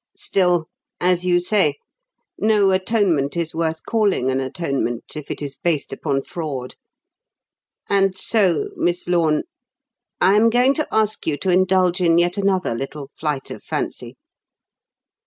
"Still, as you say, no atonement is worth calling an atonement if it is based upon fraud; and so Miss Lorne, I am going to ask you to indulge in yet another little flight of fancy.